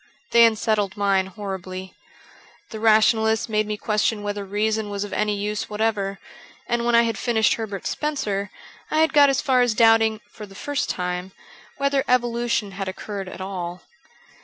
They unsettled mine horribly. The rationalists made me question whether reason was of any use whatever ; and when I had finished Herbert Spencer I had got as far as doubting (for the first time) whether evolution had occurred at all.